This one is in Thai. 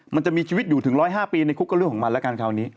มันจะมีชีวิตอยู่ถึง๑๐๕ปีในคุกก็เรื่องของมันแล้วกันคราวนี้